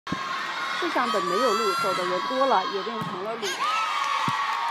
世上本没有路，走的人多了，也便成了路。